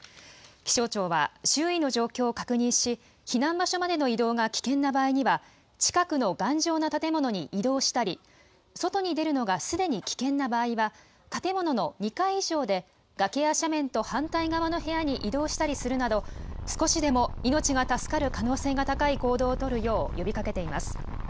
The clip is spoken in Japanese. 気象庁は、周囲の状況を確認し、避難場所までの移動が危険な場合には、近くの頑丈な建物に移動したり、外に出るのがすでに危険な場合は、建物の２階以上で、崖や斜面と反対側の部屋に移動したりするなど、少しでも命が助かる可能性が高い行動を取るよう呼びかけています。